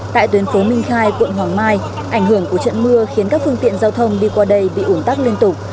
tại tuyến phố minh khai quận hoàng mai ảnh hưởng của trận mưa khiến các phương tiện giao thông đi qua đây bị ủn tắc liên tục